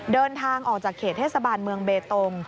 เดินทางออกจากเขตเทศบาลเมืองเบตง